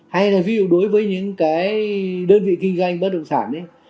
hay là ví dụ đối với những cái đơn vị kinh doanh bất động sản ấy